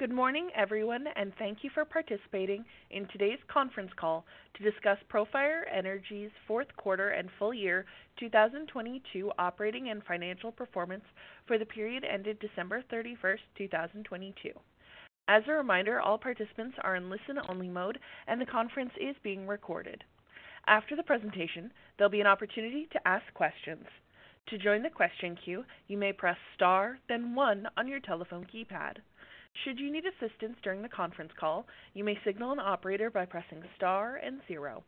Good morning, everyone, thank you for participating in today's conference call to discuss Profire Energy's fourth quarter and full year 2022 operating and financial performance for the period ended December 31st, 2022. As a reminder, all participants are in listen-only mode, and the conference is being recorded. After the presentation, there'll be an opportunity to ask questions. To join the question queue, you may press Star, then one on your telephone keypad. Should you need assistance during the conference call, you may signal an operator by pressing Star and zero.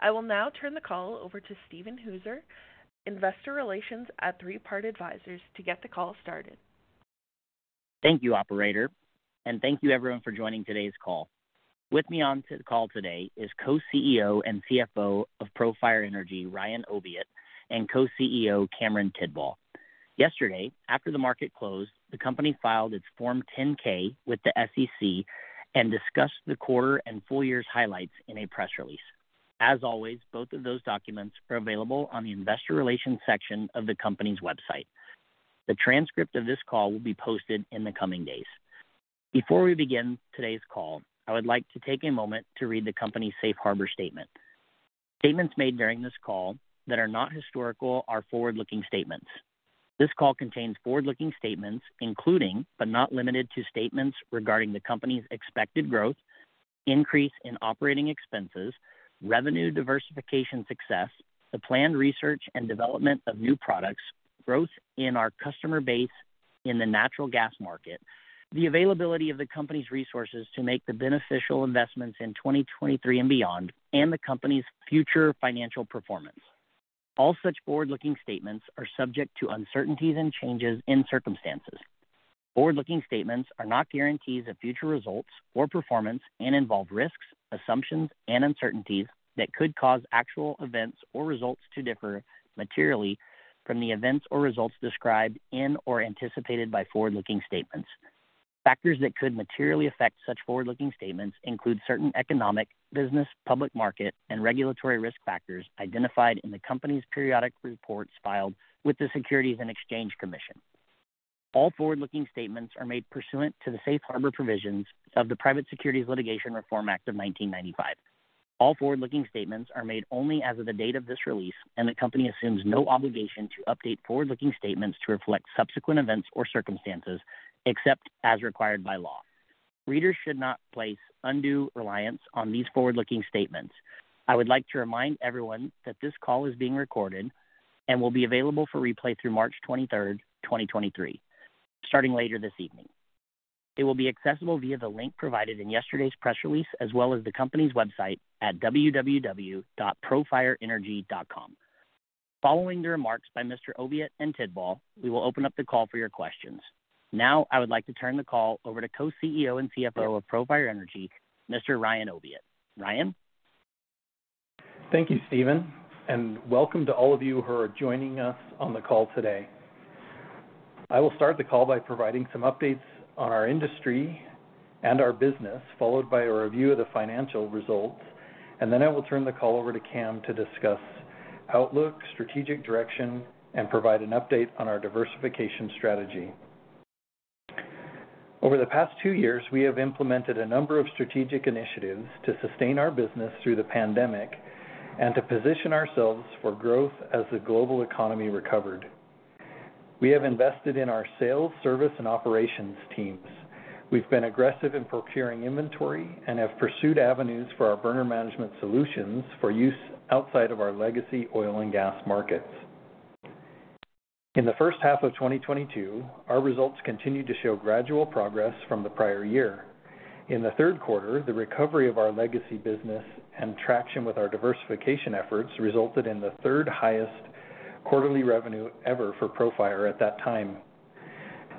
I will now turn the call over to Steven Hooser, investor relations at Three Part Advisors to get the call started. Thank you, operator, and thank you everyone for joining today's call. With me on the call today is Co-CEO and CFO of Profire Energy, Ryan Oviatt and Co-CEO, Cameron Tidball. Yesterday, after the market closed, the company filed its form 10-K with the SEC and discussed the quarter and full year's highlights in a press release. As always, both of those documents are available on the investor relations section of the company's website. The transcript of this call will be posted in the coming days. Before we begin today's call, I would like to take a moment to read the company's safe harbor statement. Statements made during this call that are not historical are forward-looking statements. This call contains forward-looking statements, including, but not limited to, statements regarding the company's expected growth, increase in operating expenses, revenue diversification success, the planned research and development of new products, growth in our customer base in the natural gas market, the availability of the company's resources to make the beneficial investments in 2023 and beyond, and the company's future financial performance. All such forward-looking statements are subject to uncertainties and changes in circumstances. Forward-looking statements are not guarantees of future results or performance and involve risks, assumptions, and uncertainties that could cause actual events or results to differ materially from the events or results described in or anticipated by forward-looking statements. Factors that could materially affect such forward-looking statements include certain economic, business, public market, and regulatory risk factors identified in the company's periodic reports filed with the Securities and Exchange Commission. All forward-looking statements are made pursuant to the Safe Harbor Provisions of the Private Securities Litigation Reform Act of 1995. All forward-looking statements are made only as of the date of this release, and the company assumes no obligation to update forward-looking statements to reflect subsequent events or circumstances except as required by law. Readers should not place undue reliance on these forward-looking statements. I would like to remind everyone that this call is being recorded and will be available for replay through March 23rd, 2023, starting later this evening. It will be accessible via the link provided in yesterday's press release, as well as the company's website at www.profireenergy.com. Following the remarks by Mr. Oviatt and Tidball, we will open up the call for your questions. I would like to turn the call over to Co-CEO and CFO of Profire Energy, Mr. Ryan Oviatt. Ryan. Thank you, Steven, welcome to all of you who are joining us on the call today. I will start the call by providing some updates on our industry and our business, followed by a review of the financial results, and then I will turn the call over to Cam to discuss outlook, strategic direction, and provide an update on our diversification strategy. Over the past two years, we have implemented a number of strategic initiatives to sustain our business through the pandemic and to position ourselves for growth as the global economy recovered. We have invested in our sales, service, and operations teams. We've been aggressive in procuring inventory and have pursued avenues for our burner management solutions for use outside of our legacy oil and gas markets. In the first half of 2022, our results continued to show gradual progress from the prior year. In the third quarter, the recovery of our legacy business and traction with our diversification efforts resulted in the third highest quarterly revenue ever for Profire at that time.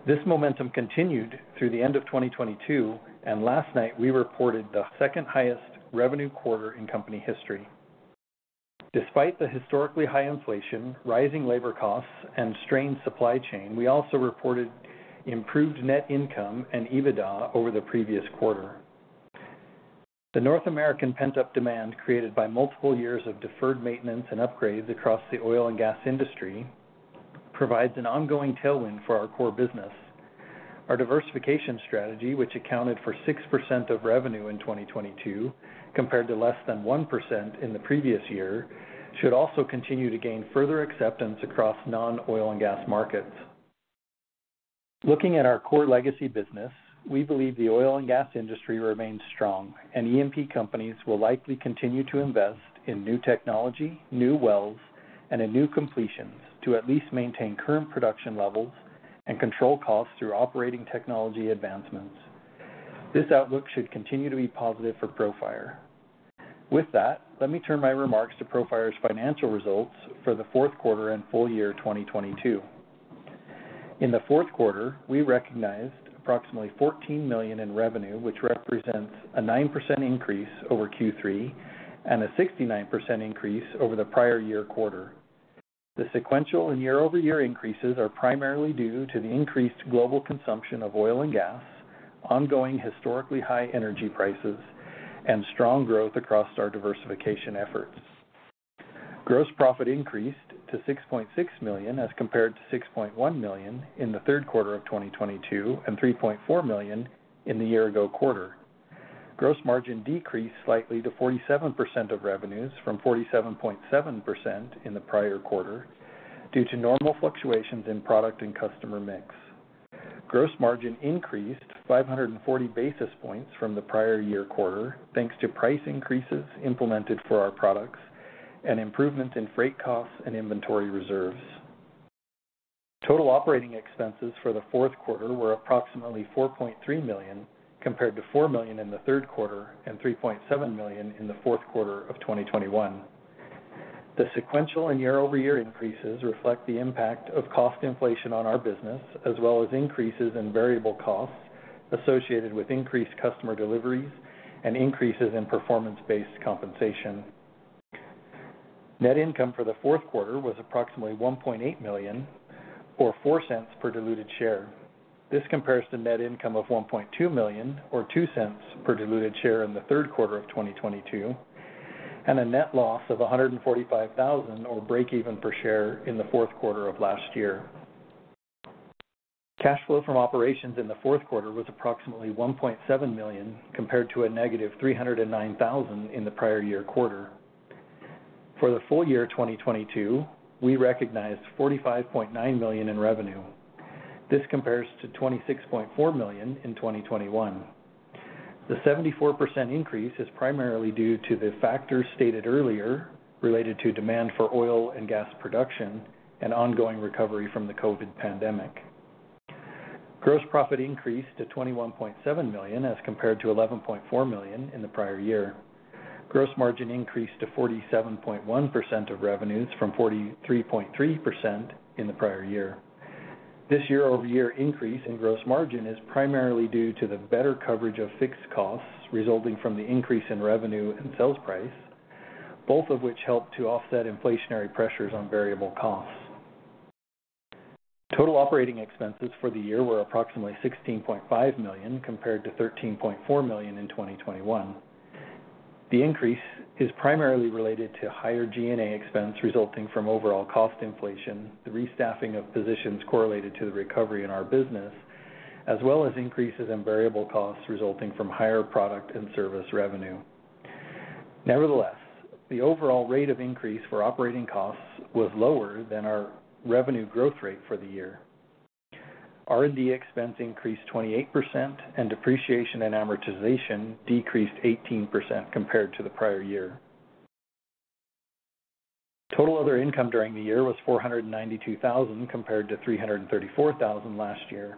This momentum continued through the end of 2022, last night we reported the second highest revenue quarter in company history. Despite the historically high inflation, rising labor costs, and strained supply chain, we also reported improved net income and EBITDA over the previous quarter. The North American pent-up demand created by multiple years of deferred maintenance and upgrades across the oil and gas industry provides an ongoing tailwind for our core business. Our diversification strategy, which accounted for 6% of revenue in 2022 compared to less than 1% in the previous year, should also continue to gain further acceptance across non-oil and gas markets. Looking at our core legacy business, we believe the oil and gas industry remains strong, E&P companies will likely continue to invest in new technology, new wells, and in new completions to at least maintain current production levels and control costs through operating technology advancements. This outlook should continue to be positive for Profire. With that, let me turn my remarks to Profire's financial results for the fourth quarter and full year 2022. In the fourth quarter, we recognized approximately $14 million in revenue, which represents a 9% increase over Q3 and a 69% increase over the prior year quarter. The sequential and year-over-year increases are primarily due to the increased global consumption of oil and gas, ongoing historically high energy prices, and strong growth across our diversification efforts. Gross profit increased to $6.6 million as compared to $6.1 million in the third quarter of 2022 and $3.4 million in the year ago quarter. Gross margin decreased slightly to 47% of revenues from 47.7% in the prior quarter due to normal fluctuations in product and customer mix. Gross margin increased 540 basis points from the prior year quarter, thanks to price increases implemented for our products and improvements in freight costs and inventory reserves. Total operating expenses for the fourth quarter were approximately $4.3 million, compared to $4 million in the third quarter and $3.7 million in the fourth quarter of 2021. The sequential and year-over-year increases reflect the impact of cost inflation on our business, as well as increases in variable costs associated with increased customer deliveries and increases in performance-based compensation. Net income for the fourth quarter was approximately $1.8 million, or $0.04 per diluted share. This compares to net income of $1.2 million or $0.02 per diluted share in the third quarter of 2022 and a net loss of $145,000 or breakeven per share in the fourth quarter of last year. Cash flow from operations in the fourth quarter was approximately $1.7 million, compared to a negative $309,000 in the prior year quarter. For the full year 2022, we recognized $45.9 million in revenue. This compares to $26.4 million in 2021. The 74% increase is primarily due to the factors stated earlier related to demand for oil and gas production and ongoing recovery from the COVID pandemic. Gross profit increased to $21.7 million as compared to $11.4 million in the prior year. Gross margin increased to 47.1% of revenues from 43.3% in the prior year. This year-over-year increase in gross margin is primarily due to the better coverage of fixed costs resulting from the increase in revenue and sales price, both of which helped to offset inflationary pressures on variable costs. Total operating expenses for the year were approximately $16.5 million compared to $13.4 million in 2021. The increase is primarily related to higher G&A expense resulting from overall cost inflation, the restaffing of positions correlated to the recovery in our business, as well as increases in variable costs resulting from higher product and service revenue. Nevertheless, the overall rate of increase for operating costs was lower than our revenue growth rate for the year. R&D expense increased 28% and depreciation and amortization decreased 18% compared to the prior year. Total other income during the year was $492,000 compared to $334,000 last year.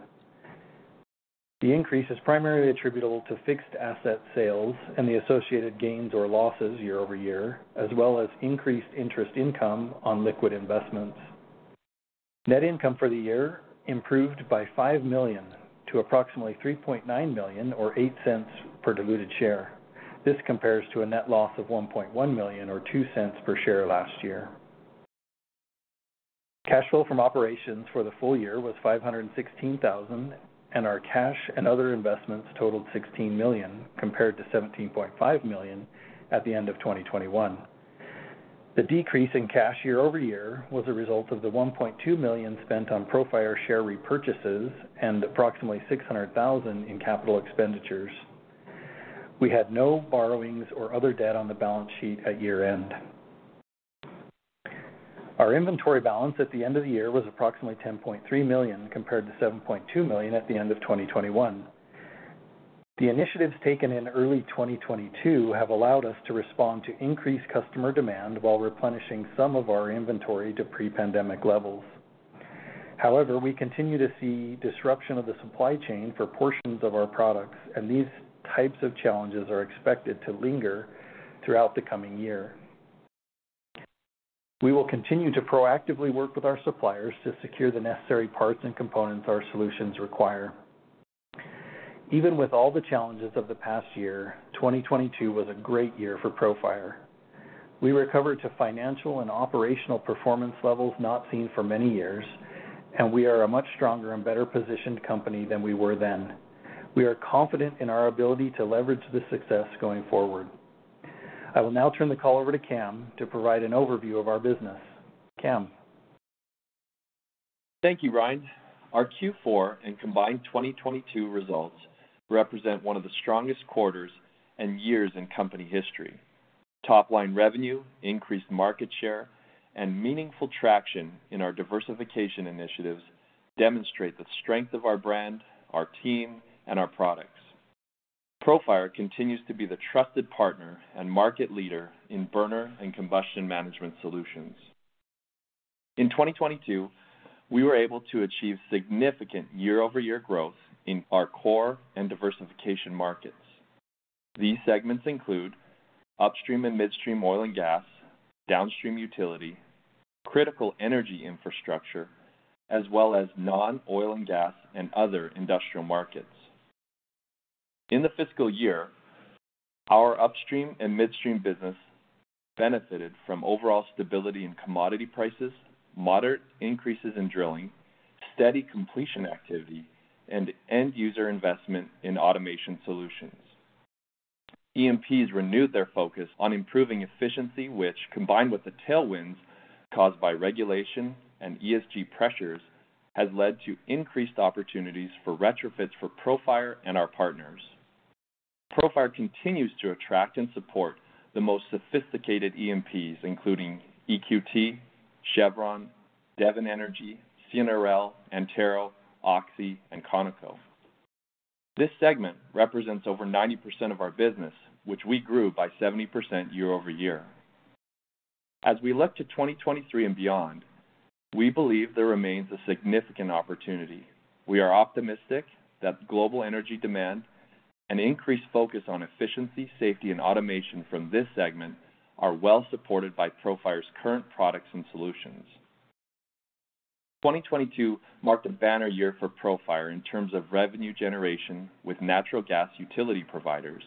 The increase is primarily attributable to fixed asset sales and the associated gains or losses year-over-year, as well as increased interest income on liquid investments. Net income for the year improved by $5 million-approximately $3.9 million or $0.08 per diluted share. This compares to a net loss of $1.1 million or $0.02 per share last year. Cash flow from operations for the full year was $516,000, and our cash and other investments totaled $16 million, compared to $17.5 million at the end of 2021. The decrease in cash year-over-year was a result of the $1.2 million spent on Profire share repurchases and approximately $600,000 in capital expenditures. We had no borrowings or other debt on the balance sheet at year-end. Our inventory balance at the end of the year was approximately $10.3 million, compared to $7.2 million at the end of 2021. The initiatives taken in early 2022 have allowed us to respond to increased customer demand while replenishing some of our inventory to pre-pandemic levels. However, we continue to see disruption of the supply chain for portions of our products, and these types of challenges are expected to linger throughout the coming year. We will continue to proactively work with our suppliers to secure the necessary parts and components our solutions require. Even with all the challenges of the past year, 2022 was a great year for Profire. We recovered to financial and operational performance levels not seen for many years, and we are a much stronger and better positioned company than we were then. We are confident in our ability to leverage this success going forward. I will now turn the call over to Cam to provide an overview of our business. Cam? Thank you, Ryan. Our Q4 and combined 2022 results represent one of the strongest quarters and years in company history. Top line revenue, increased market share, and meaningful traction in our diversification initiatives demonstrate the strength of our brand, our team, and our products. Profire continues to be the trusted partner and market leader in burner and combustion management solutions. In 2022, we were able to achieve significant year-over-year growth in our core and diversification markets. These segments include upstream and midstream oil and gas, downstream utility, critical energy infrastructure, as well as non-oil and gas and other industrial markets. In the fiscal year, our upstream and midstream business benefited from overall stability in commodity prices, moderate increases in drilling, steady completion activity, and end user investment in automation solutions. E&Ps renewed their focus on improving efficiency, which combined with the tailwinds caused by regulation and ESG pressures, has led to increased opportunities for retrofits for Profire and our partners. Profire continues to attract and support the most sophisticated E&Ps, including EQT, Chevron, Devon Energy, CNRL, Antero, Oxy, and Conoco. This segment represents over 90% of our business, which we grew by 70% year-over-year. As we look to 2023 and beyond, we believe there remains a significant opportunity. We are optimistic that global energy demand and increased focus on efficiency, safety, and automation from this segment are well supported by Profire's current products and solutions. 2022 marked a banner year for Profire in terms of revenue generation with natural gas utility providers.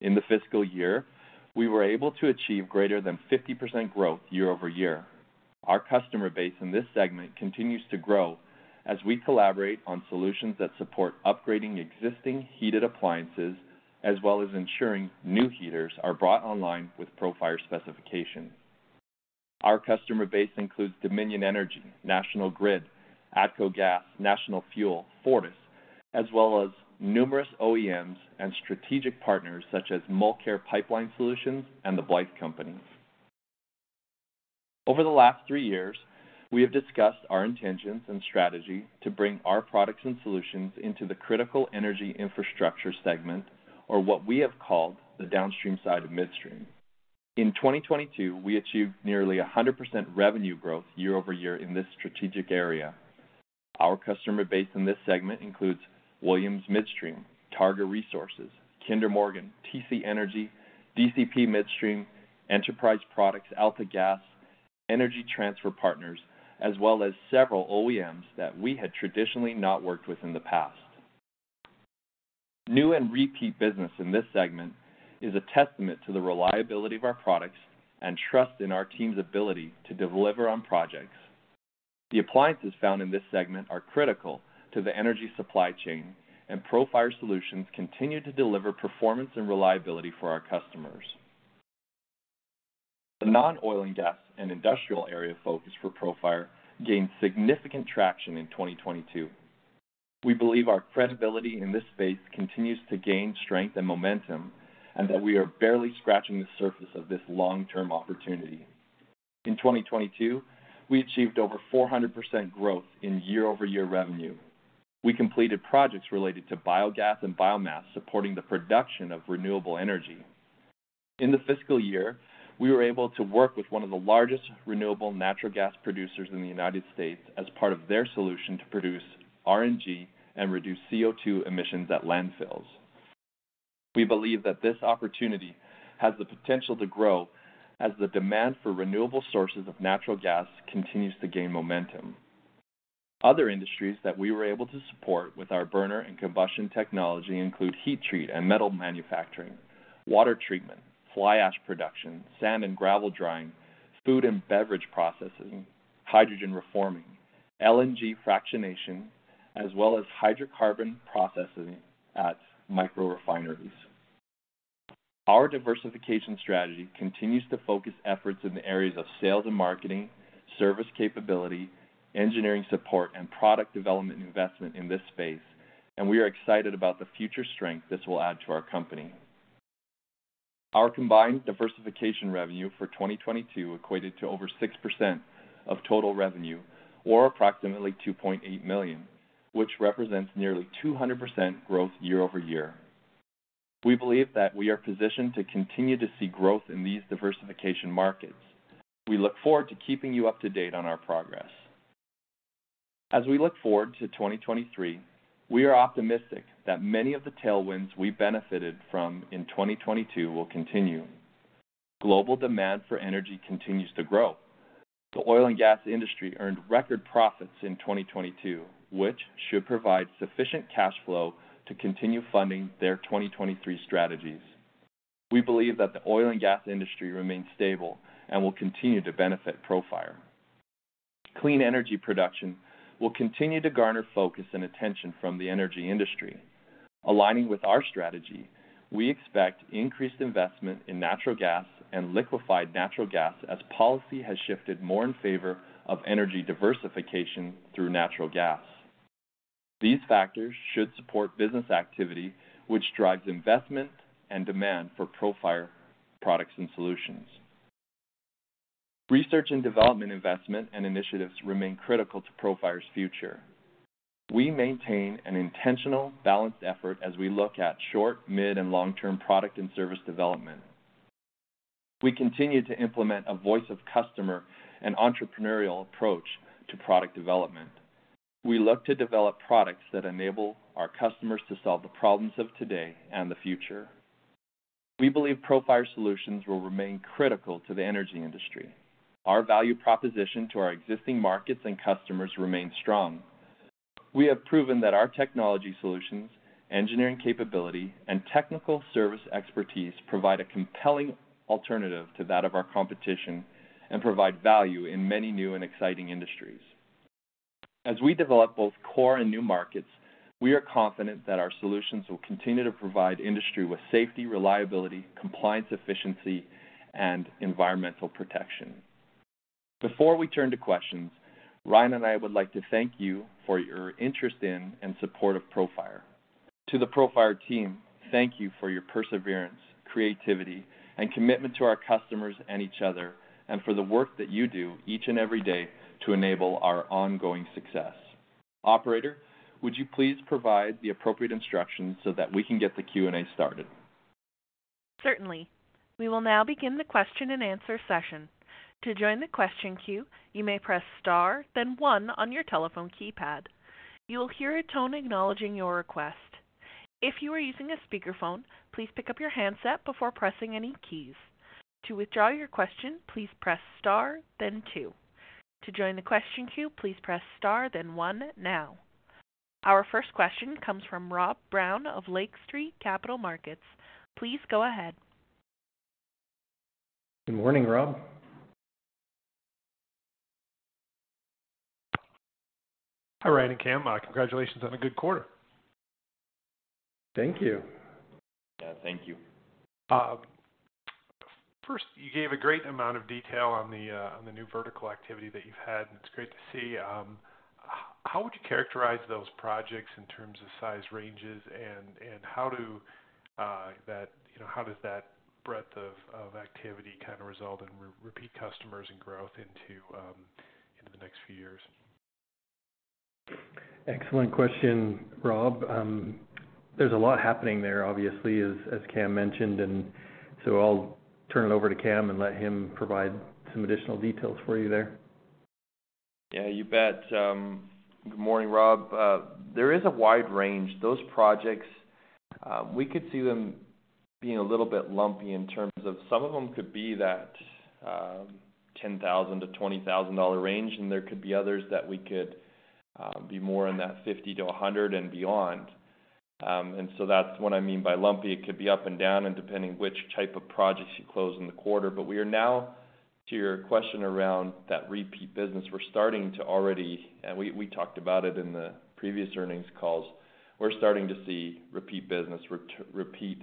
In the fiscal year, we were able to achieve greater than 50% growth year-over-year. Our customer base in this segment continues to grow as we collaborate on solutions that support upgrading existing heated appliances, as well as ensuring new heaters are brought online with Profire specifications. Our customer base includes Dominion Energy, National Grid, ATCO Gas, National Fuel, Fortis, as well as numerous OEMs and strategic partners such as Mulcare Pipeline Solutions and The Blythe Company. Over the last three years, we have discussed our intentions and strategy to bring our products and solutions into the critical energy infrastructure segment or what we have called the downstream side of midstream. In 2022, we achieved nearly 100% revenue growth year-over-year in this strategic area. Our customer base in this segment includes Williams Midstream, Targa Resources, Kinder Morgan, TC Energy, DCP Midstream, Enterprise Products, AltaGas, Energy Transfer Partners, as well as several OEMs that we had traditionally not worked with in the past. New and repeat business in this segment is a testament to the reliability of our products and trust in our team's ability to deliver on projects. The appliances found in this segment are critical to the energy supply chain, and Profire solutions continue to deliver performance and reliability for our customers. The non-oil and gas and industrial area of focus for Profire gained significant traction in 2022. We believe our credibility in this space continues to gain strength and momentum, and that we are barely scratching the surface of this long-term opportunity. In 2022, we achieved over 400% growth in year-over-year revenue. We completed projects related to biogas and biomass supporting the production of renewable energy. In the fiscal year, we were able to work with one of the largest renewable natural gas producers in the United States as part of their solution to produce RNG and reduce CO2 emissions at landfills. We believe that this opportunity has the potential to grow as the demand for renewable sources of natural gas continues to gain momentum. Other industries that we were able to support with our burner and combustion technology include heat treat and metal manufacturing, water treatment, fly ash production, sand and gravel drying, food and beverage processing, hydrogen reforming, LNG fractionation, as well as hydrocarbon processing at micro refineries. Our diversification strategy continues to focus efforts in the areas of sales and marketing, service capability, engineering support, and product development investment in this space, and we are excited about the future strength this will add to our company. Our combined diversification revenue for 2022 equated to over 6% of total revenue or approximately $2.8 million, which represents nearly 200% growth year-over-year. We believe that we are positioned to continue to see growth in these diversification markets. We look forward to keeping you up to date on our progress. As we look forward to 2023, we are optimistic that many of the tailwinds we benefited from in 2022 will continue. Global demand for energy continues to grow. The oil and gas industry earned record profits in 2022, which should provide sufficient cash flow to continue funding their 2023 strategies. We believe that the oil and gas industry remains stable and will continue to benefit Profire Energy. Clean energy production will continue to garner focus and attention from the energy industry. Aligning with our strategy, we expect increased investment in natural gas and liquefied natural gas as policy has shifted more in favor of energy diversification through natural gas. These factors should support business activity, which drives investment and demand for Profire Energy products and solutions. Research and development investment and initiatives remain critical to Profire Energy's future. We maintain an intentional balanced effort as we look at short, mid, and long-term product and service development. We continue to implement a voice of customer and entrepreneurial approach to product development. We look to develop products that enable our customers to solve the problems of today and the future. We believe Profire solutions will remain critical to the energy industry. Our value proposition to our existing markets and customers remains strong. We have proven that our technology solutions, engineering capability, and technical service expertise provide a compelling alternative to that of our competition and provide value in many new and exciting industries. As we develop both core and new markets, we are confident that our solutions will continue to provide industry with safety, reliability, compliance, efficiency, and environmental protection. Before we turn to questions, Ryan and I would like to thank you for your interest in and support of Profire. To the Profire team, thank you for your perseverance, creativity, and commitment to our customers and each other, and for the work that you do each and every day to enable our ongoing success. Operator, would you please provide the appropriate instructions so that we can get the Q&A started? Certainly. We will now begin the question-and-answer session. To join the question queue, you may press star then one on your telephone keypad. You will hear a tone acknowledging your request. If you are using a speakerphone, please pick up your handset before pressing any keys. To withdraw your question, please press star then two. To join the question queue, please press star then one now. Our first question comes from Rob Brown of Lake Street Capital Markets. Please go ahead. Good morning, Rob. Hi, Ryan and Cam. Congratulations on a good quarter. Thank you. Yeah, thank you. First, you gave a great amount of detail on the, on the new vertical activity that you've had, and it's great to see. How would you characterize those projects in terms of size ranges, and how do, that, you know, how does that breadth of activity kinda result in repeat customers and growth into the next few years? Excellent question, Rob. There's a lot happening there, obviously, as Cam mentioned. I'll turn it over to Cam and let him provide some additional details for you there. Yeah, you bet. Good morning, Rob. There is a wide range. Those projects, we could see them being a little bit lumpy in terms of some of them could be that $10,000-$20,000 range, and there could be others that we could be more in that $50-$100 and beyond. That's what I mean by lumpy. It could be up and down and depending which type of projects you close in the quarter. We are now, to your question around that repeat business, we're starting to already, and we talked about it in the previous earnings calls. We're starting to see repeat business, repeat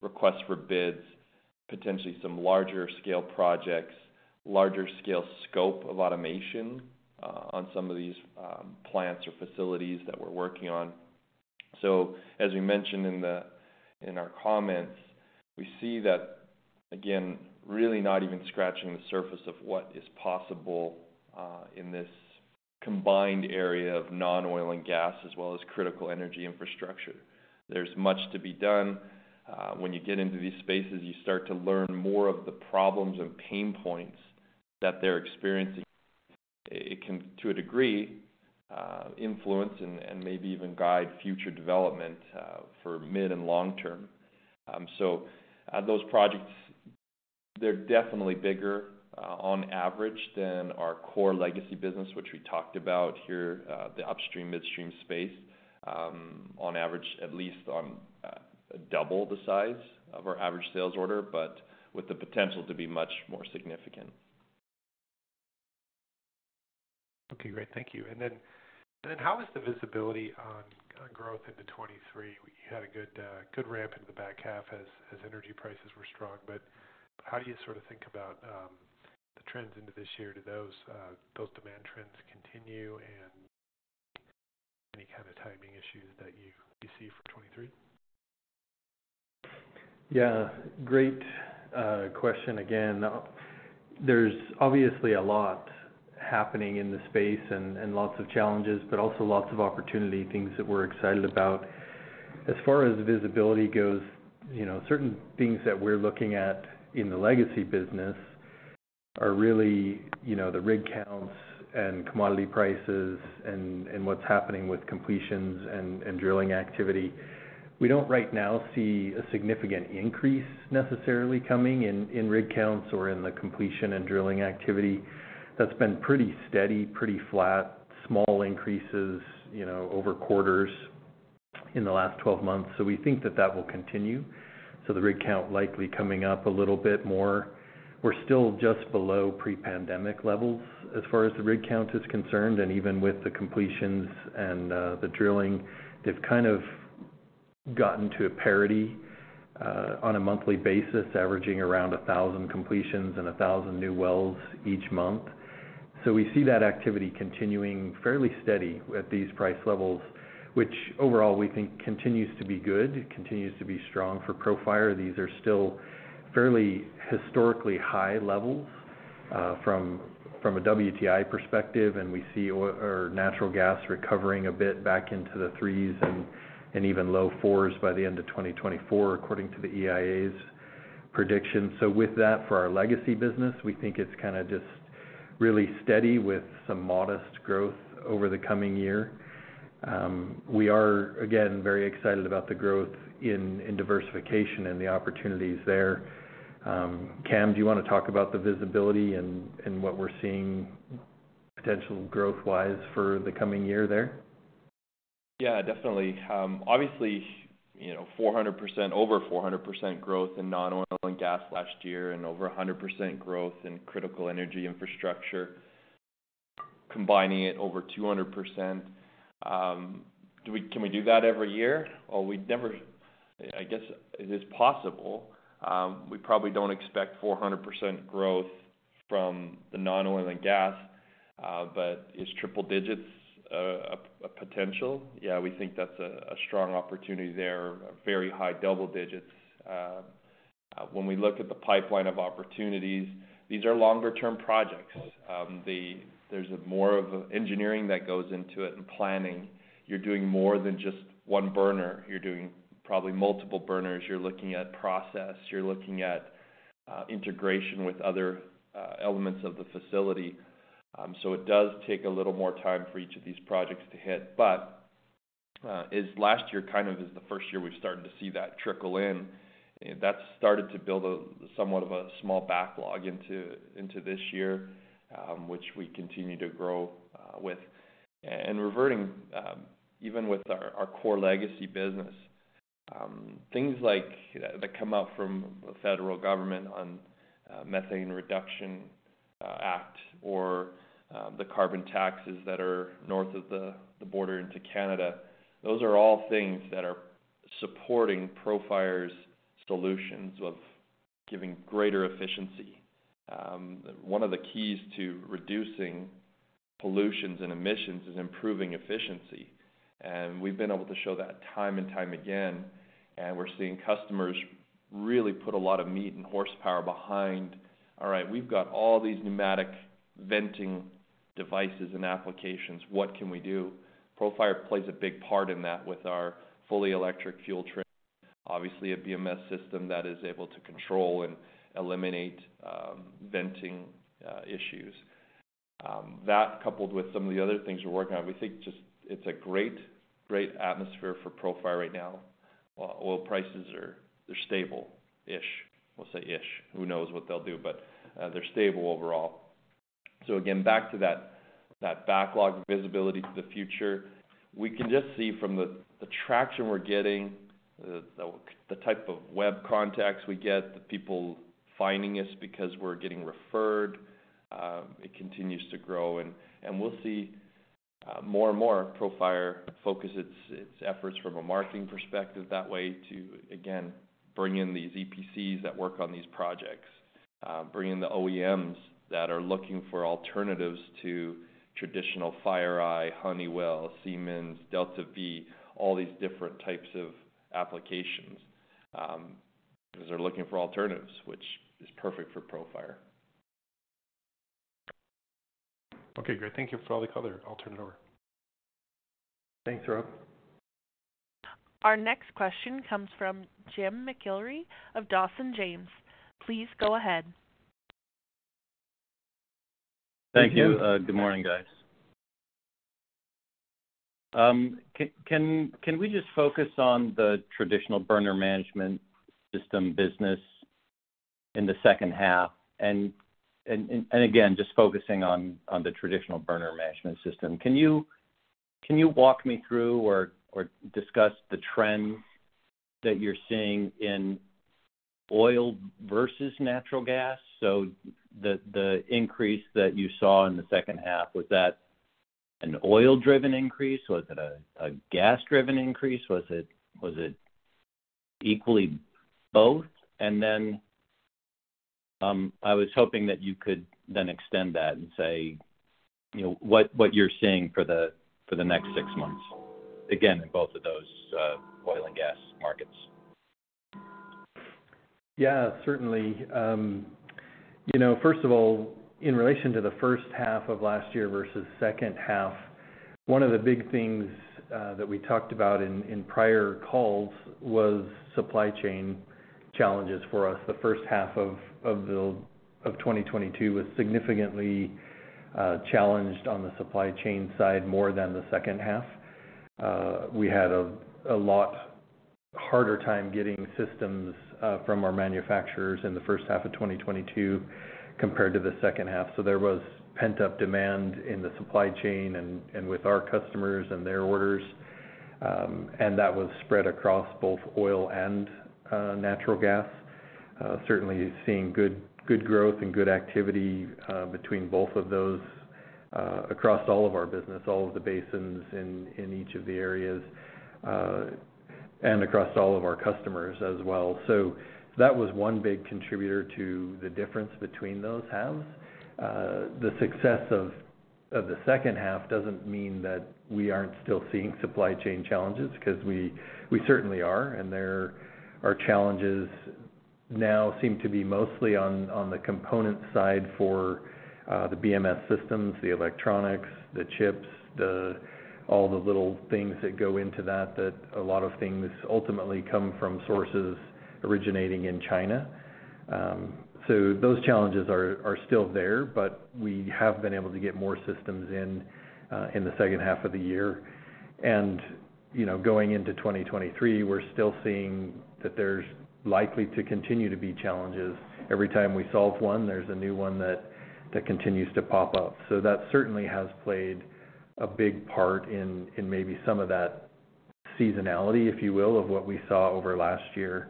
requests for bids, potentially some larger scale projects, larger scale scope of automation, on some of these plants or facilities that we're working on. As we mentioned in our comments, we see that again, really not even scratching the surface of what is possible in this combined area of non-oil and gas as well as critical energy infrastructure. There's much to be done. When you get into these spaces, you start to learn more of the problems and pain points that they're experiencing. It can, to a degree, influence and maybe even guide future development for mid and long term. Those projects, they're definitely bigger on average than our core legacy business, which we talked about here, the upstream, midstream space. On average, at least on double the size of our average sales order, but with the potential to be much more significant. Okay, great. Thank you. How is the visibility on growth into 2023? You had a good ramp into the back half as energy prices were strong. How do you sort of think about the trends into this year? Do those demand trends continue, and any kind of timing issues that you see for 2023? Yeah, great question again. There's obviously a lot happening in the space and lots of challenges, but also lots of opportunity, things that we're excited about. As far as visibility goes, you know, certain things that we're looking at in the legacy business are really, you know, the rig counts and commodity prices and what's happening with completions and drilling activity. We don't right now see a significant increase necessarily coming in rig counts or in the completion and drilling activity. That's been pretty steady, pretty flat, small increases, you know, over quarters in the last 12 months. We think that that will continue. The rig count likely coming up a little bit more. We're still just below pre-pandemic levels as far as the rig count is concerned, even with the completions and the drilling, they've kind of gotten to a parity on a monthly basis, averaging around 1,000 completions and 1,000 new wells each month. We see that activity continuing fairly steady at these price levels, which overall we think continues to be good. It continues to be strong for Profire. These are still fairly historically high levels from a WTI perspective, and we see oil or natural gas recovering a bit back into the threes and even low fours by the end of 2024, according to the EIA's prediction. With that, for our legacy business, we think it's kind of just really steady with some modest growth over the coming year. We are, again, very excited about the growth in diversification and the opportunities there. Cam, do you wanna talk about the visibility and what we're seeing potential growth-wise for the coming year there? Yeah, definitely. obviously, you know, over 400% growth in non-oil and gas last year and over 100% growth in critical energy infrastructure. Combining it over 200%, can we do that every year, or I guess it is possible. We probably don't expect 400% growth from the non-oil and gas, but is triple digits a potential? Yeah, we think that's a strong opportunity there, a very high double digits. When we look at the pipeline of opportunities, these are longer-term projects. there's more of engineering that goes into it and planning. You're doing more than just one burner. You're doing probably multiple burners. You're looking at process. You're looking at integration with other elements of the facility. It does take a little more time for each of these projects to hit. Last year kind of is the first year we've started to see that trickle in. That started to build a somewhat of a small backlog into this year, which we continue to grow with. Reverting, even with our core legacy business, things like, that come up from the federal government on Methane Reduction Act or the carbon taxes that are north of the border into Canada, those are all things that are supporting Profire's solutions of giving greater efficiency. One of the keys to reducing pollutions and emissions is improving efficiency, and we've been able to show that time and time again. We're seeing customers really put a lot of meat and horsepower behind, all right, we've got all these pneumatic venting devices and applications. What can we do? Profire plays a big part in that with our fully electric fuel train. Obviously, a BMS system that is able to control and eliminate venting issues. That coupled with some of the other things we're working on, we think just it's a great atmosphere for Profire right now. Oil prices are, they're stable-ish. We'll say ish. Who knows what they'll do, but they're stable overall. Again, back to that backlog visibility to the future, we can just see from the traction we're getting, the type of web contacts we get, the people finding us because we're getting referred, it continues to grow. We'll see more and more Profire focus its efforts from a marketing perspective that way to again, bring in these EPCs that work on these projects. Bring in the OEMs that are looking for alternatives to traditional Fireye, Honeywell, Siemens, DeltaV, all these different types of applications, as they're looking for alternatives, which is perfect for Profire. Okay, great. Thank you for all the color. I'll turn it over. Thanks, Rob. Our next question comes from Jim McIlree of Dawson James. Please go ahead. Thank you. Good morning, guys. Can we just focus on the traditional burner management system business in the second half? Again, just focusing on the traditional burner management system. Can you walk me through or discuss the trends that you're seeing in oil versus natural gas? The increase that you saw in the second half, was that an oil-driven increase? Was it a gas-driven increase? Was it equally both? I was hoping that you could then extend that and say, you know, what you're seeing for the next six months, again, in both of those oil and gas markets. Certainly. You know, first of all, in relation to the first half of last year versus second half, one of the big things that we talked about in prior calls was supply chain challenges for us. The first half of 2022 was significantly challenged on the supply chain side more than the second half. We had a lot harder time getting systems from our manufacturers in the first half of 2022 compared to the second half. There was pent-up demand in the supply chain and with our customers and their orders, and that was spread across both oil and natural gas. Certainly seeing good growth and good activity, between both of those, across all of our business, all of the basins in each of the areas, and across all of our customers as well. That was one big contributor to the difference between those halves. The success of the second half doesn't mean that we aren't still seeing supply chain challenges 'cause we certainly are, and there are challenges now seem to be mostly on the component side for the BMS systems, the electronics, the chips, all the little things that go into that a lot of things ultimately come from sources originating in China. Those challenges are still there, but we have been able to get more systems in the second half of the year. you know, going into 2023, we're still seeing that there's likely to continue to be challenges. Every time we solve one, there's a new one that continues to pop up. That certainly has played a big part in maybe some of that. Seasonality, if you will, of what we saw over last year.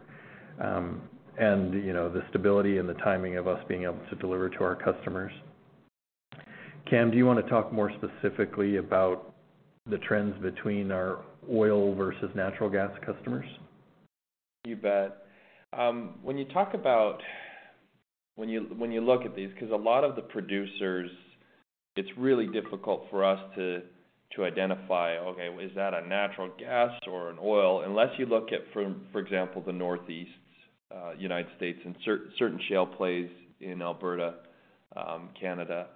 You know, the stability and the timing of us being able to deliver to our customers. Cam, do you wanna talk more specifically about the trends between our oil versus natural gas customers? You bet. When you look at these, 'cause a lot of the producers, it's really difficult for us to identify, okay, is that a natural gas or an oil? Unless you look at, for example, the Northeast United States and certain shale plays in Alberta, Canada.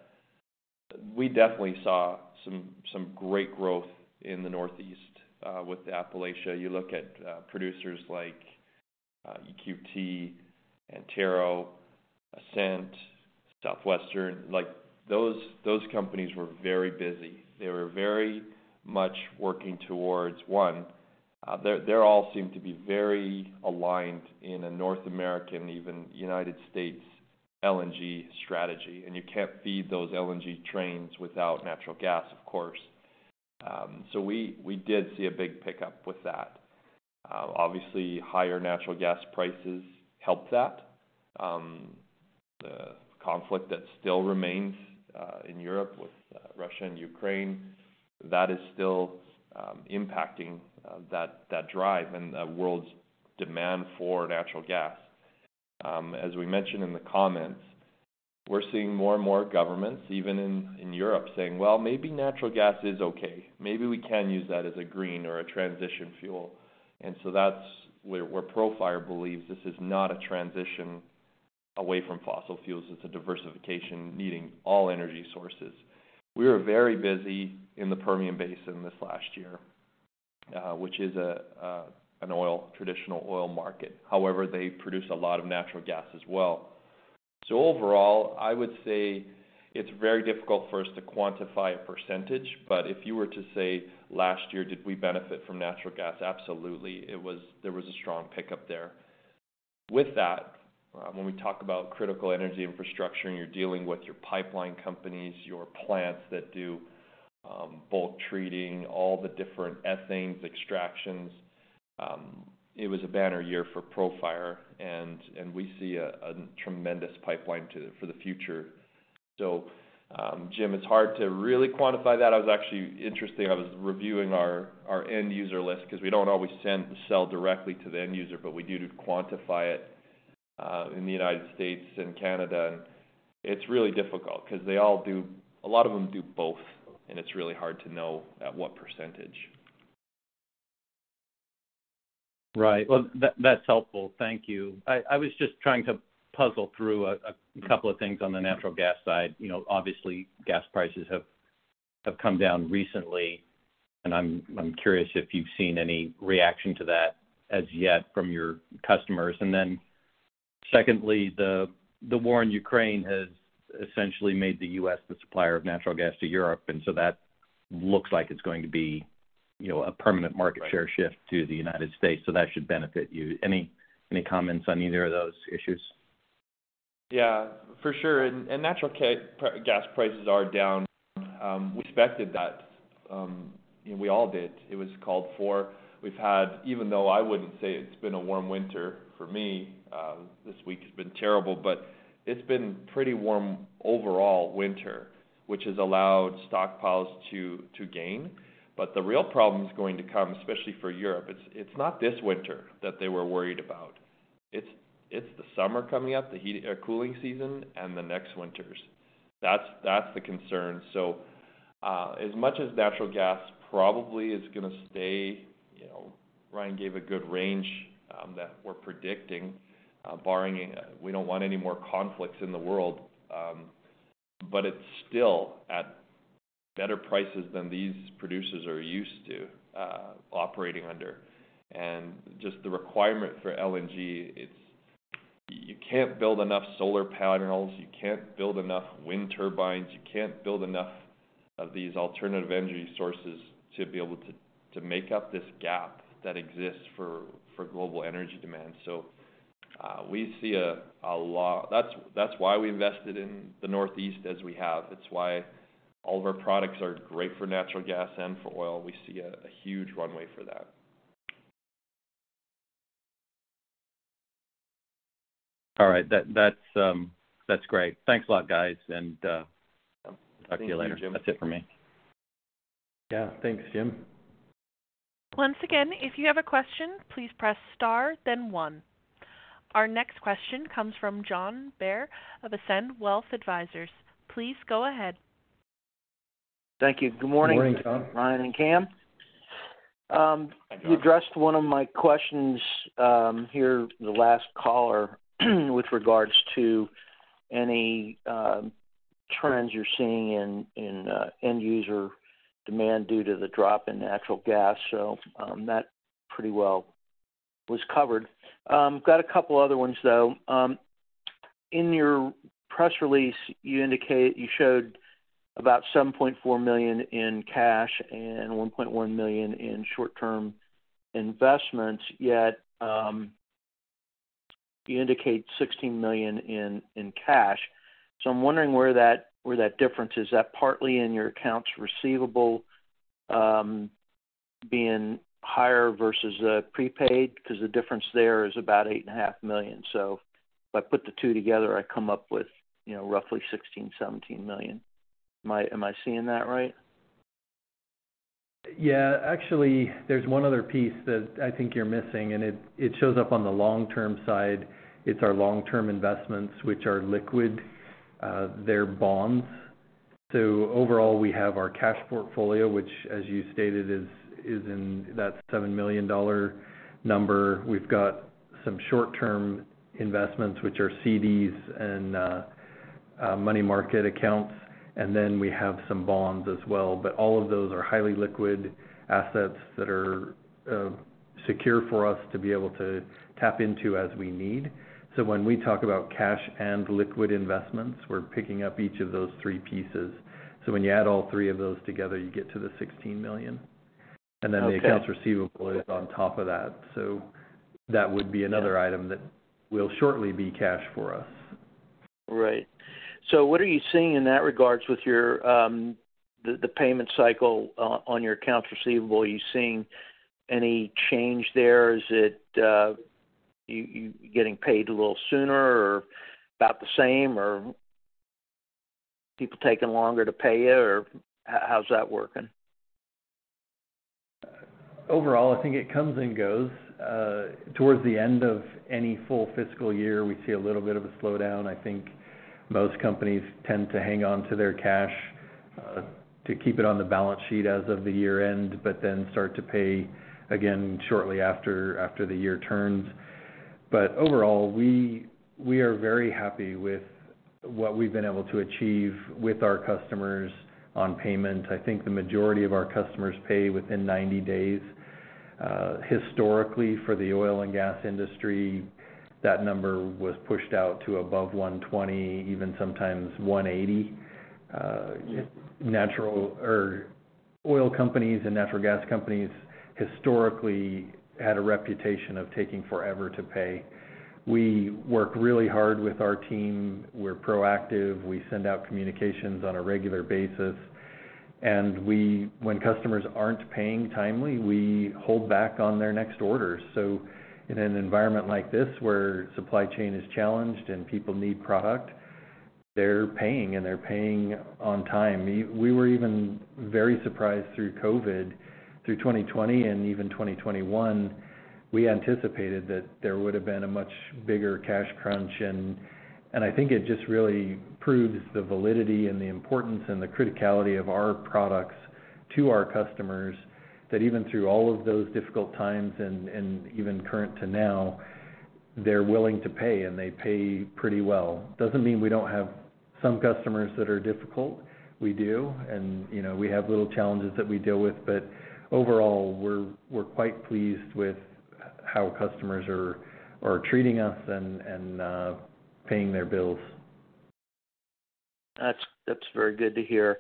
We definitely saw some great growth in the Northeast with Appalachia. You look at producers like EQT, Antero, Ascent, Southwestern, like those companies were very busy. They were very much working towards, one, they all seem to be very aligned in a North American, even United States LNG strategy, and you can't feed those LNG trains without natural gas, of course. We did see a big pickup with that. Obviously, higher natural gas prices helped that. The conflict that still remains in Europe with Russia and Ukraine, that is still impacting that drive and the world's demand for natural gas. As we mentioned in the comments, we're seeing more and more governments, even in Europe, saying, "Well, maybe natural gas is okay. Maybe we can use that as a green or a transition fuel." That's where Profire believes this is not a transition away from fossil fuels, it's a diversification needing all energy sources. We were very busy in the Permian Basin this last year, which is a traditional oil market. However, they produce a lot of natural gas as well. Overall, I would say it's very difficult for us to quantify a percentage, but if you were to say last year, did we benefit from natural gas? Absolutely. There was a strong pickup there. With that, when we talk about critical energy infrastructure, and you're dealing with your pipeline companies, your plants that do, bulk treating, all the different ethanes, extractions, it was a banner year for Profire, and we see a tremendous pipeline for the future. Jim, it's hard to really quantify that. I was actually interested. I was reviewing our end user list, 'cause we don't always sell directly to the end user, but we do to quantify it in the United States and Canada. It's really difficult, 'cause they all do a lot of them do both, and it's really hard to know at what percentage. Right. Well, that's helpful. Thank you. I was just trying to puzzle through a couple of things on the natural gas side. You know, obviously, gas prices have come down recently. I'm curious if you've seen any reaction to that as yet from your customers. Then secondly, the war in Ukraine has essentially made the U.S. the supplier of natural gas to Europe. That looks like it's going to be, you know, a permanent market share shift to the United States. That should benefit you. Any comments on either of those issues? Yeah, for sure. Natural gas prices are down. We expected that. We all did. It was called for. Even though I wouldn't say it's been a warm winter for me, this week has been terrible, but it's been pretty warm overall winter, which has allowed stockpiles to gain. The real problem's going to come, especially for Europe, it's not this winter that they were worried about. It's the summer coming up, the heat cooling season and the next winters. That's the concern. As much as natural gas probably is gonna stay, you know, Ryan gave a good range that we're predicting, barring, we don't want any more conflicts in the world, it's still at better prices than these producers are used to operating under. Just the requirement for LNG, it's you can't build enough solar panels, you can't build enough wind turbines, you can't build enough of these alternative energy sources to be able to make up this gap that exists for global energy demand. We see a lot. That's why we invested in the Northeast as we have. It's why all of our products are great for natural gas and for oil. We see a huge runway for that. All right. That's great. Thanks a lot, guys. Talk to you later. Thank you, Jim. That's it for me. Yeah. Thanks, Jim. Once again, if you have a question, please press star then one. Our next question comes from John Bair of Ascend Wealth Advisors. Please go ahead. Thank you. Good morning. Good morning, John. Ryan and Cam. You addressed one of my questions, here, the last caller, with regards to any trends you're seeing in end user demand due to the drop in natural gas. That pretty well was covered. Got a couple other ones, though. In your press release, you showed about $7.4 million in cash and $1.1 million in short-term investments, yet you indicate $16 million in cash. I'm wondering where that difference is. Is that partly in your accounts receivable, being higher versus prepaid? 'Cause the difference there is about $8.5 million. If I put the two together, I come up with, you know, roughly $16 million-$17 million. Am I seeing that right? Yeah. Actually, there's one other piece that I think you're missing, and it shows up on the long-term side. It's our long-term investments, which are liquid. They're bonds. Overall, we have our cash portfolio, which, as you stated, is in that $7 million number. We've got some short-term investments, which are CDs and money market accounts, and then we have some bonds as well. All of those are highly liquid assets that are secure for us to be able to tap into as we need. When we talk about cash and liquid investments, we're picking up each of those three pieces. When you add all three of those together, you get to the $16 million. Okay. The accounts receivable is on top of that. That would be another item that will shortly be cash for us. Right. What are you seeing in that regards with your, the payment cycle on your accounts receivable? Are you seeing any change there? Is it? You getting paid a little sooner or about the same, or people taking longer to pay you, or how's that working? Overall, I think it comes and goes. Towards the end of any full fiscal year, we see a little bit of a slowdown. I think most companies tend to hang on to their cash, to keep it on the balance sheet as of the year-end, but then start to pay again shortly after the year turns. Overall, we are very happy with what we've been able to achieve with our customers on payment. I think the majority of our customers pay within 90 days. Historically for the oil and gas industry, that number was pushed out to above 120, even sometimes 180. Yeah... natural or oil companies and natural gas companies historically had a reputation of taking forever to pay. We work really hard with our team. We're proactive. We send out communications on a regular basis. When customers aren't paying timely, we hold back on their next order. In an environment like this where supply chain is challenged and people need product, they're paying, and they're paying on time. We were even very surprised through COVID, through 2020 and even 2021, we anticipated that there would have been a much bigger cash crunch. I think it just really proves the validity and the importance and the criticality of our products to our customers, that even through all of those difficult times and even current to now, they're willing to pay, and they pay pretty well. Doesn't mean we don't have some customers that are difficult. We do, and, you know, we have little challenges that we deal with, but overall, we're quite pleased with how customers are treating us and paying their bills. That's very good to hear.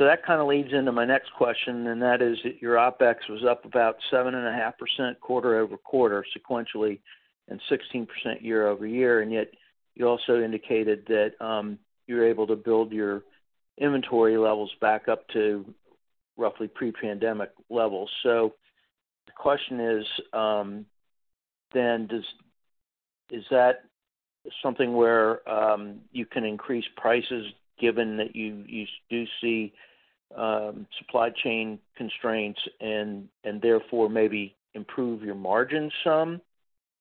That kinda leads into my next question, and that is your OpEx was up about 7.5% quarter-over-quarter sequentially and 16% year-over-year, and yet you also indicated that you're able to build your inventory levels back up to roughly pre-pandemic levels. The question is that something where you can increase prices given that you do see supply chain constraints and therefore maybe improve your margin some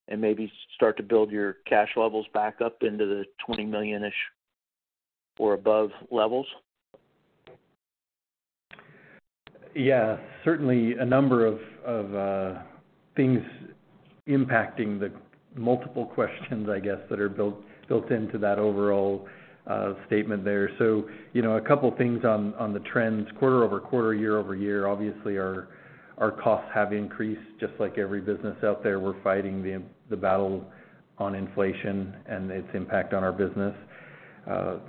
and maybe start to build your cash levels back up into the $20 million-ish or above levels? Yeah. Certainly a number of things impacting the multiple questions, I guess, that are built into that overall statement there. You know, a couple things on the trends quarter-over-quarter, year-over-year. Obviously, our costs have increased just like every business out there. We're fighting the battle on inflation and its impact on our business.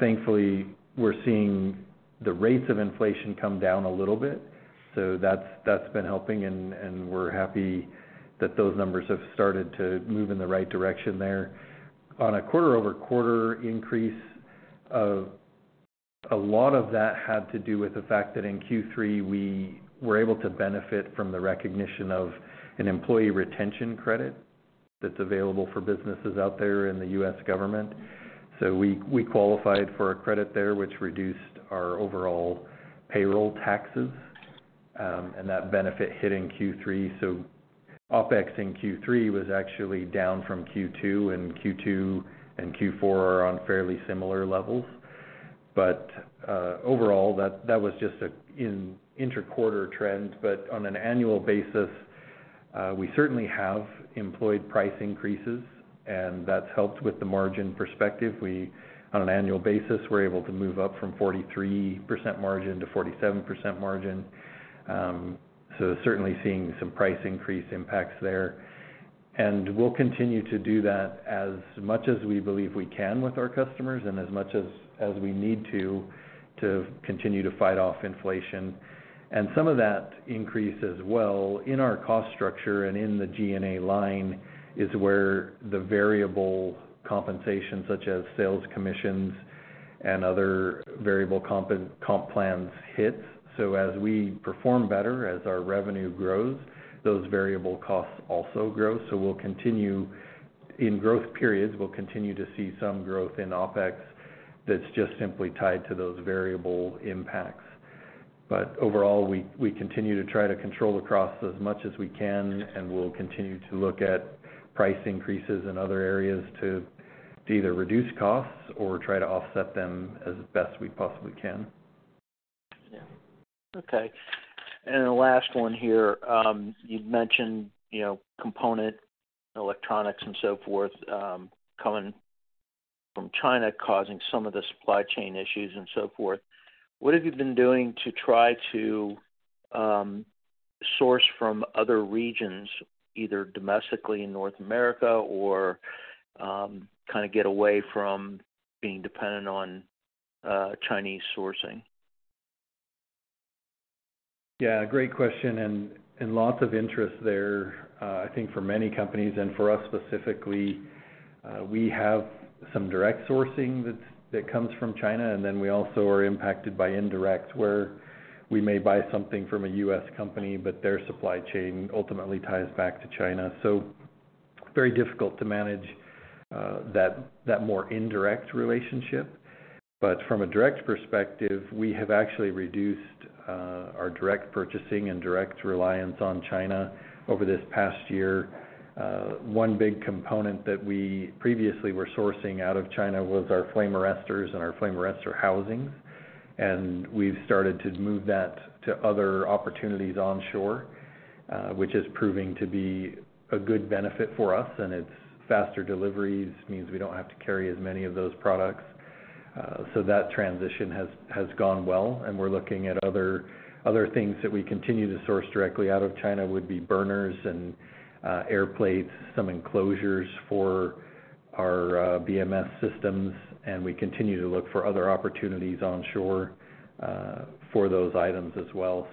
Thankfully, we're seeing the rates of inflation come down a little bit, so that's been helping and we're happy that those numbers have started to move in the right direction there. On a quarter-over-quarter increase, a lot of that had to do with the fact that in Q3, we were able to benefit from the recognition of an Employee Retention Credit that's available for businesses out there in the U.S. government. We qualified for a credit there, which reduced our overall payroll taxes, and that benefit hit in Q3. OpEx in Q3 was actually down from Q2, and Q2 and Q4 are on fairly similar levels. Overall, that was just an inter-quarter trend. On an annual basis, we certainly have employed price increases, and that's helped with the margin perspective. On an annual basis, we're able to move up from 43% margin-47% margin. Certainly seeing some price increase impacts there. We'll continue to do that as much as we believe we can with our customers and as much as we need to continue to fight off inflation. Some of that increase as well in our cost structure and in the G&A line is where the variable compensation, such as sales commissions and other variable comp plans hit. As we perform better, as our revenue grows, those variable costs also grow. In growth periods, we'll continue to see some growth in OpEx that's just simply tied to those variable impacts. Overall, we continue to try to control the costs as much as we can, and we'll continue to look at price increases in other areas to either reduce costs or try to offset them as best we possibly can. Yeah. Okay. The last one here, you'd mentioned, you know, component electronics and so forth, coming from China, causing some of the supply chain issues and so forth. What have you been doing to try to source from other regions, either domestically in North America or kind of get away from being dependent on Chinese sourcing? Great question and lots of interest there, I think for many companies and for us specifically. We have some direct sourcing that's, that comes from China, we also are impacted by indirect, where we may buy something from a U.S. company, but their supply chain ultimately ties back to China. Very difficult to manage that more indirect relationship. From a direct perspective, we have actually reduced our direct purchasing and direct reliance on China over this past year. One big component that we previously were sourcing out of China was our flame arrestors and our flame arrestor housings. We've started to move that to other opportunities onshore, which is proving to be a good benefit for us. It's faster deliveries, means we don't have to carry as many of those products. That transition has gone well, and we're looking at other things that we continue to source directly out of China, would be burners and air plates, some enclosures for our BMS systems, and we continue to look for other opportunities onshore for those items as well.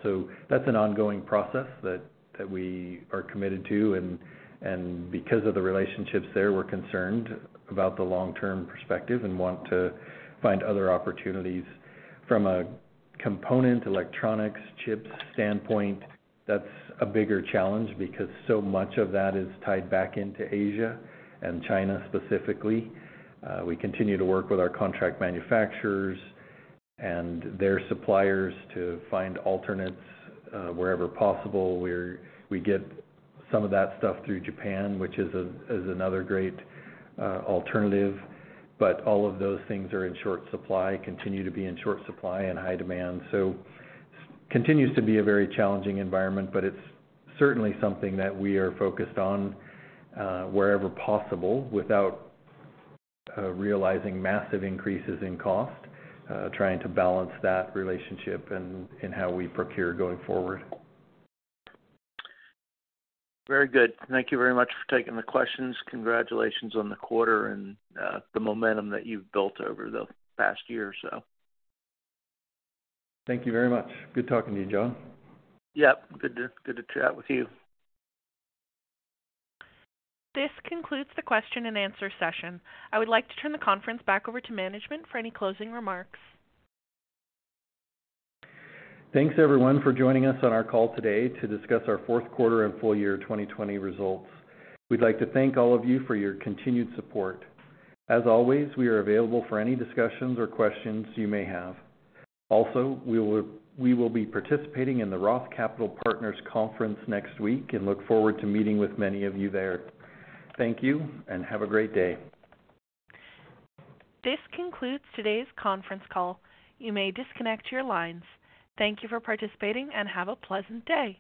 That's an ongoing process that we are committed to. Because of the relationships there, we're concerned about the long-term perspective and want to find other opportunities. From a component, electronics, chips standpoint, that's a bigger challenge because so much of that is tied back into Asia and China specifically. We continue to work with our contract manufacturers and their suppliers to find alternates wherever possible. We get some of that stuff through Japan, which is another great alternative. All of those things are in short supply, continue to be in short supply and high demand. Continues to be a very challenging environment, but it's certainly something that we are focused on wherever possible, without realizing massive increases in cost, trying to balance that relationship in how we procure going forward. Very good. Thank you very much for taking the questions. Congratulations on the quarter and the momentum that you've built over the past year or so. Thank you very much. Good talking to you, John. Yep. Good to chat with you. This concludes the question and answer session. I would like to turn the conference back over to management for any closing remarks. Thanks, everyone, for joining us on our call today to discuss our fourth quarter and full year 2020 results. We'd like to thank all of you for your continued support. As always, we are available for any discussions or questions you may have. We will be participating in the Roth Capital Partners conference next week and look forward to meeting with many of you there. Thank you. Have a great day. This concludes today's conference call. You may disconnect your lines. Thank you for participating, and have a pleasant day.